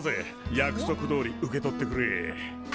約束どおり受け取ってくれ。